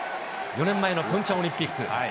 ４年前のピョンチャンオリンピック。